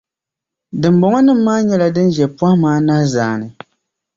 Dimbɔŋɔnim’ maa nyɛla din ʒe pɔhima anahi zaani.